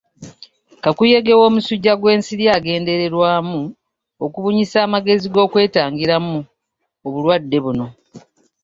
Kakuyege w'omusujja gw'ensiri agendererwamu okubunyisa amagezi g'okwetangiramu obulwadde buno.